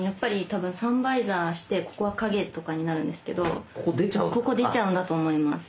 多分サンバイザーしてここは陰とかになるんですけどここ出ちゃうんだと思います。